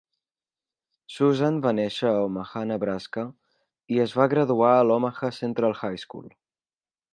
Susan va néixer a Omaha, Nebraska, i es va graduar a l'Omaha Central High School.